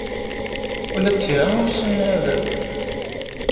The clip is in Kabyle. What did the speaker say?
Ula d tira ur ssinen ara ad arun.